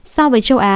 so với châu á